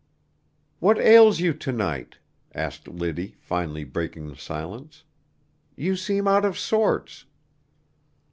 "What ails you to night?" asked Liddy, finally breaking the silence; "you seem out of sorts."